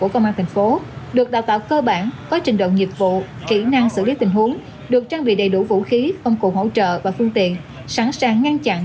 công an tp phan thiết đã được trang bị đầy đủ vũ khí công cụ hỗ trợ và phương tiện sẵn sàng ngăn chặn